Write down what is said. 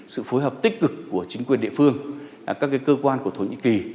sự phối hợp tích cực của chính quyền địa phương các cơ quan của thổ nhĩ kỳ